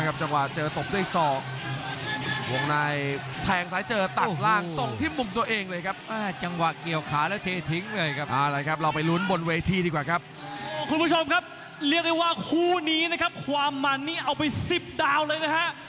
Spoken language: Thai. คุณผู้ชมครับเรียกได้ว่าคู่นี้นะครับความมันนี่เอาไป๑๐ดาวเลยนะฮะ